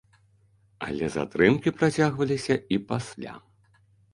Але затрымкі працягваліся і пасля.